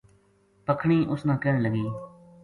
پکھنی اس نا کہن لگی